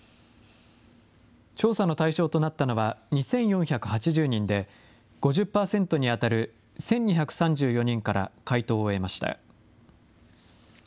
調査の対象となったのは２４８０人で、５０％に当たる１２３４人から回答を得ました。